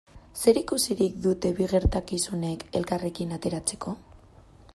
Zer ikusirik dute bi gertakizunek elkarrekin ateratzeko?